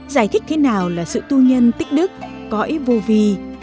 giải thích thế nào là sự tu nhân tích đức cõi vô vi